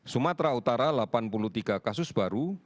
sumatera utara delapan puluh tiga kasus baru